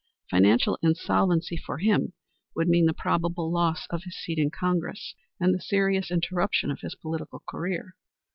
Financial insolvency for him would mean the probable loss of his seat in Congress, and the serious interruption of his political career.